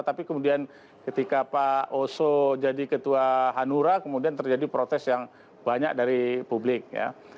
tapi kemudian ketika pak oso jadi ketua hanura kemudian terjadi protes yang banyak dari publik ya